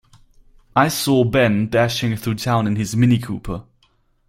I saw Ben dashing through town in his Mini Cooper.